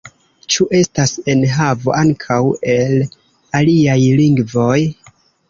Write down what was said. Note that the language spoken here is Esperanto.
Ĉu estas enhavo ankaŭ el aliaj lingvoj?